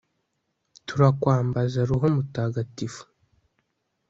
turakwambaza roho mutagatifu